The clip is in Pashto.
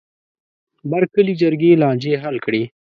بر کلي جرګې لانجې حل کړې.